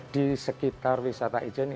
di sekitar wisata ijen